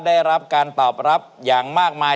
ได้รับการตอบรับอย่างมากมาย